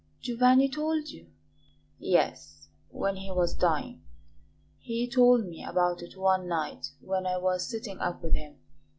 "Giovanni told you?" "Yes, when he was dying. He told me about it one night when I was sitting up with him.